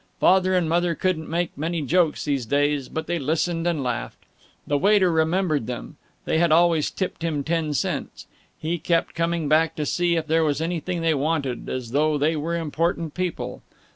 Father and Mother couldn't make many jokes, these days, but they listened and laughed. The waiter remembered them; they had always tipped him ten cents; he kept coming back to see if there was anything they wanted, as though they were important people.